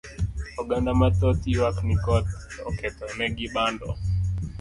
Oganda ma thoth ywak ni koth oketho ne gi bando